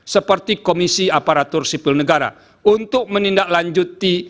seperti komisi aparatur sipil negara untuk menindaklanjuti